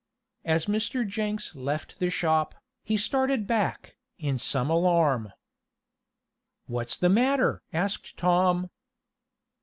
As Mr. Jenks left the shop, he started back, in some alarm. "What's the matter?" asked Tom.